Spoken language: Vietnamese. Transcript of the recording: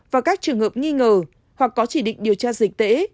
và các trường hợp nghi ngờ hoặc có chỉ định điều tra dịch tễ